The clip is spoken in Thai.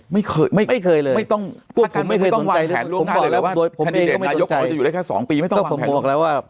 ไม่เคย